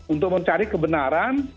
untuk mencari kebenaran